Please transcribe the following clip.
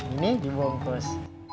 ini juga bungkus